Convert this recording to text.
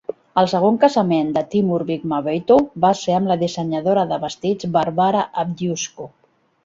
El segon casament de Timur Bekmambetov va ser amb la dissenyadora de vestits Varvara Avdyushko.